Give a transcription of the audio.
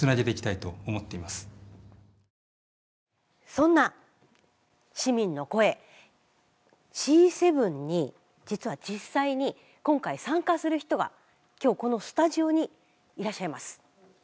そんな市民の声Ｃ７に実は実際に今回参加する人が今日このスタジオにいらっしゃいます。